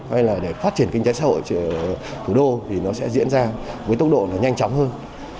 hay là để phát triển kinh tế xã hội ở thủ đô thì nó sẽ diễn ra với tốc độ nhanh chóng hơn